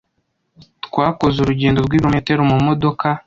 Twakoze urugendo rw'ibirometero mumodoka.